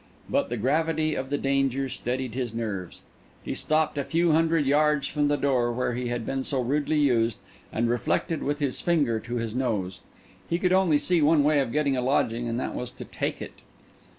But the gravity of the danger steadied his nerves. He stopped a few hundred yards from the door where he had been so rudely used, and reflected with his finger to his nose. He could only see one way of getting a lodging, and that was to take it.